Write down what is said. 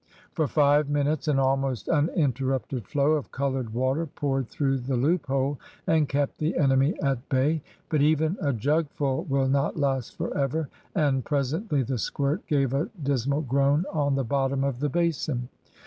For five minutes an almost uninterrupted flow of coloured water poured through the loophole and kept the enemy at bay. But even a jugful will not last for ever, and presently the squirt gave a dismal groan on the bottom of the basin.